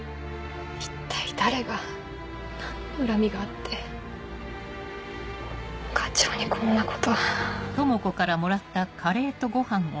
一体誰が何の恨みがあって課長にこんなこと。